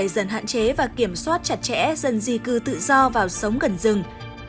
dần hạn chế và kiểm soát chặt chẽ dân di cư tự do vào sống gần rừng